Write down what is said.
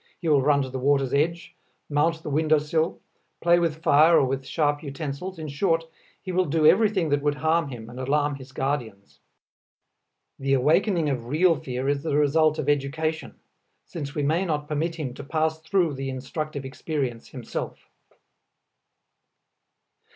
He will run to the water's edge, mount the window sill, play with fire or with sharp utensils, in short, he will do everything that would harm him and alarm his guardians. The awakening of real fear is the result of education, since we may not permit him to pass through the instructive experience himself.